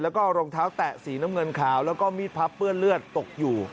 แล้วก็รองเท้าแตะสีน้ำเงินขาวแล้วก็มีดพับเปื้อนเลือดตกอยู่